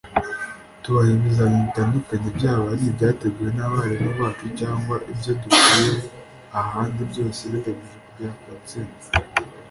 tubaha ibizamini bitandukanye byaba ari ibyateguwe n’abarimu bacu cyangwa ibyo dukuye ahandi byose bigamije kugera ku ntsinzi